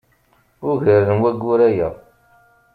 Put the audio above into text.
Ugar n wayyur aya.